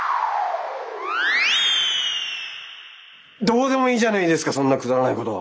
どうでもいいじゃないですかそんなくだらないこと。